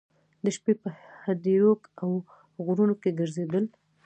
د شپې په هدیرو او غرونو کې ګرځېدل.